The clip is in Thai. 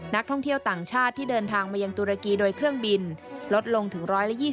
นักท่องเที่ยวต่างชาติที่เดินทางมายังตุรกีโดยเครื่องบินลดลงถึง๑๒๐